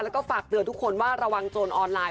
แล้วก็ฝากเตือนทุกคนว่าระวังโจรอออนไลน